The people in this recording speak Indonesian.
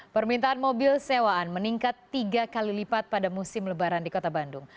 permintaan mobil sewaan meningkat tiga kali lipat pada musim lebaran di kota bandung